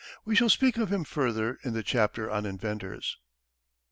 We shall speak of him further in the chapter on inventors.